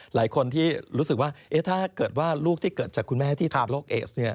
หลายคนที่รู้สึกว่าถ้าเกิดว่าลูกที่เกิดจากคุณแม่ที่เป็นโรคเอส